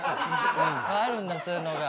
あるんだそういうのが。